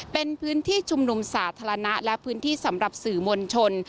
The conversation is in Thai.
เป็นพื้นที่ชุมนุมสาธารณะและพื้นที่สำหรับสื่อมวลชน